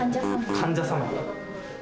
患者様。